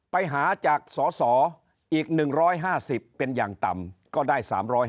ไปหาจากสสอีก๑๕๐เป็นอย่างต่ำก็ได้๓๕๐